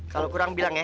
kalau kurang bilang ya